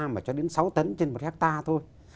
mà cho đến sáu tấn trên một hectare thôi